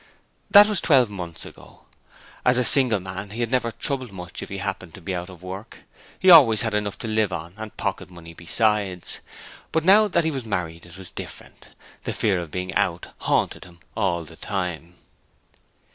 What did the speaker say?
That was twelve months ago. As a single man he had never troubled much if he happened to be out of work; he always had enough to live on and pocket money besides; but now that he was married it was different; the fear of being 'out' haunted him all the time.